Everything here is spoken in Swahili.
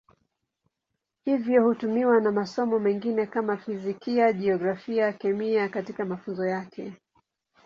Hivyo hutumiwa na masomo mengine kama Fizikia, Jiografia, Kemia katika mafunzo yake.